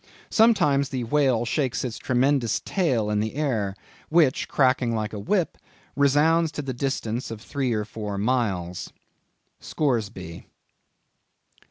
"Sometimes the whale shakes its tremendous tail in the air, which, cracking like a whip, resounds to the distance of three or four miles." —Scoresby.